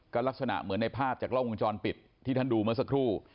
ก็ลักษณะเหมือนในภาพจากกล้องวงจรปิดที่ท่านดูเมื่อสักครู่